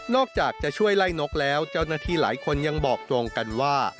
อกจากจะช่วยไล่นกแล้วเจ้าหน้าที่หลายคนยังบอกตรงกันว่า